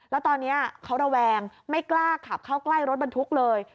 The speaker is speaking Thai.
แล้วตอนนี้เขาระแวงไม่กล้าขับเข้าใกล้รถบรรทุกเลย